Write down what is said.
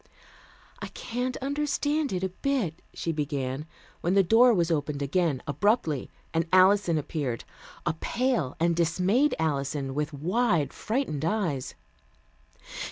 "I can't understand it a bit," she began, when the door was opened again abruptly, and Alison appeared a pale and dismayed Alison with wide frightened eyes.